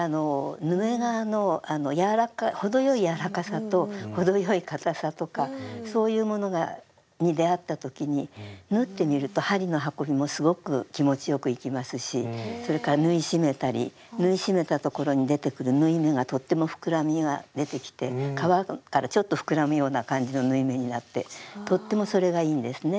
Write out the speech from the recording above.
ヌメ革の程よい柔らかさと程よい硬さとかそういうものに出会ったときに縫ってみると針の運びもすごく気持ちよくいきますしそれから縫い締めたり縫い締めたところに出てくる縫い目がとっても膨らみが出てきて革からちょっと膨らむような感じの縫い目になってとってもそれがいいんですね。